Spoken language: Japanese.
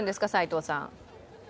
齋藤さん。